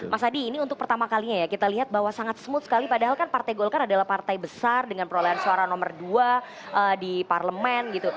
mas adi ini untuk pertama kalinya ya kita lihat bahwa sangat smooth sekali padahal kan partai golkar adalah partai besar dengan perolehan suara nomor dua di parlemen gitu